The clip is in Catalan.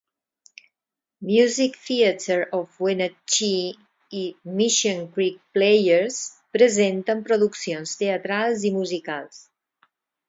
Music Theater of Wenatchee i Mission Creek Players presenten produccions teatrals i musicals.